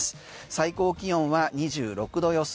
最高気温は２６度予想。